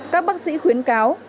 các bác sĩ khuyến cáo